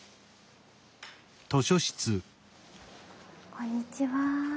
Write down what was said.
こんにちは。